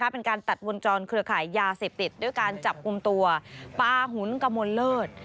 เป็นการตัดวงจรเครือขายยาเสพติดด้วยการจับกลุ่มตัวปาหุนกระมวลเลิศ